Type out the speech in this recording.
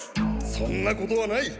そんなことはない！